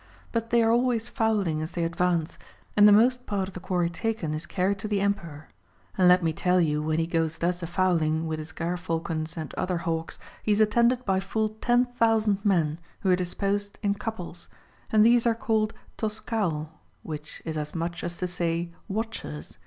But they are always fowling as they advance, and the most part of the quarry taken is carried to the Emperor. And let m(i tc;ll you when he goes thus a fowling widi his ger falcons and other hawks, he is attended by full 10,000 men who are disposed in couples ; and these arc called CiiAi'. XX. HOW THE EMPEROR GOES HUNTING 4O3 Toscaol, which is as much as to say, " Watchers."